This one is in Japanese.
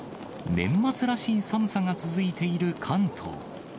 年末らしい寒さが続いている関東。